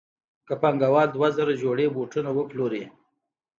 که پانګوال دوه زره جوړې بوټان وپلوري